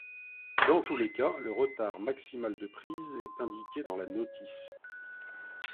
Dans tous les cas, le retard maximal de prise est indiqué dans la notice.